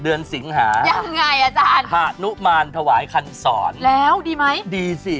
เพื่อจะไปทำงานเริ่มงานใหม่